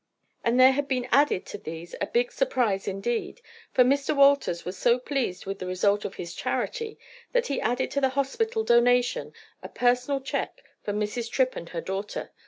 And there had been added to these a big surprise indeed, for Mr. Wolters was so pleased with the result of his charity, that he added to the hospital donation a personal check for Mrs. Tripp and her daughter.